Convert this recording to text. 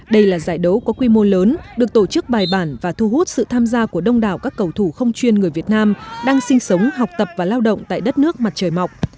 đây là giải đấu có quy mô lớn được tổ chức bài bản và thu hút sự tham gia của đông đảo các cầu thủ không chuyên người việt nam đang sinh sống học tập và lao động tại đất nước mặt trời mọc